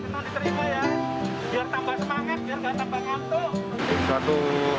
bagaimana ya biar tambah semangat biar gak tambah ngantuk